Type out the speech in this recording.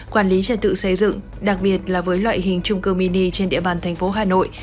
quản lý trật tự xây dựng đặc biệt là với loại hình trung cư mini trên địa bàn thành phố hà nội